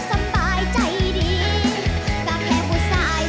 สิไปทางได้กล้าไปน้องบ่ได้สนของพ่อสำนี